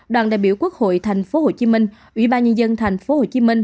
đoàn đại biểu quốc hội thành phố hồ chí minh ủy ban nhân dân thành phố hồ chí minh